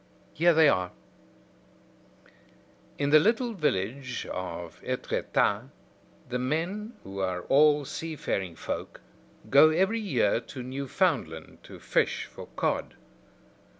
Here they are: "In the little village of Etretat, the men, who are all seafaring folk, go every year to Newfoundland to fish for cod.